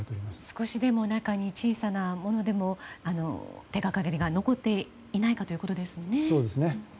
少しでも中に小さなものでも手がかりが残っていないかということですよね。